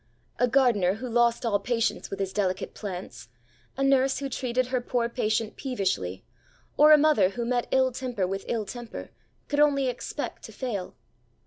A gardener who lost all patience with his delicate plants; a nurse who treated her poor patient peevishly; or a mother who met ill temper with ill temper could only expect to fail.